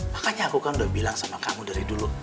makanya aku kan udah bilang sama kamu dari dulu